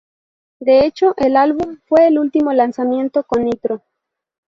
De hecho, el álbum fue el último lanzamiento con Nitro.